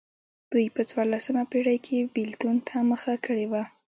دوی په څوارلسمه پېړۍ کې بېلتون ته مخه کړې وه.